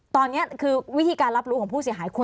ตอนนี้คือวิธีการรับรู้ของผู้เสียหายคุณ